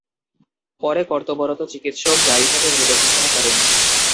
পরে কর্তব্যরত চিকিৎসক জারিফাকে মৃত ঘোষণা করেন।